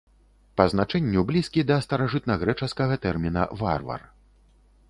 Па значэнню блізкі да старажытнагрэчаскага тэрміна варвар.